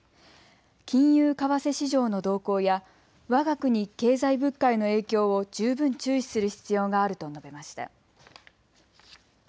金融為替市場の動向やわが国経済物価への影響を十分注視する必要があると述べました。